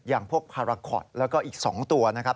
อย่างพวกพาราคอตแล้วก็อีก๒ตัวนะครับ